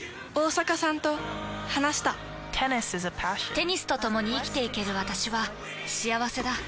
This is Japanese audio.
テニスとともに生きていける私は幸せだ。